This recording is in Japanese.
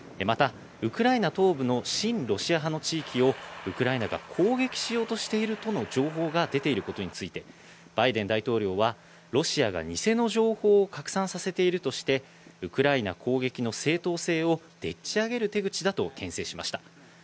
またウクライナ東部の親ロシア派の地域をウクライナが攻撃しようとしているとの情報が出ていることについて、バイデン大統領は、ロシアが偽の情報を拡散させているとして、ウクライナ攻撃の正当性をでっち上げる手口だと、けん制しました。